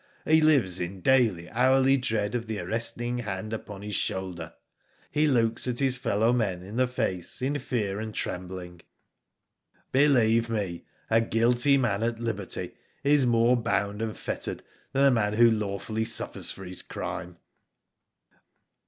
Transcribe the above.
He lives in daily, hourly dread of the arresting hand upon his shoulder. He looks his fellow men in the face in fear and trembling. Believe me a guilty man at liberty is more bound and fettered than the man who lawfully suffers for his crime.''